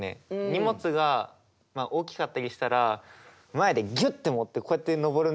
荷物が大きかったりしたら前でギュッて持ってこうやって上るんですよ。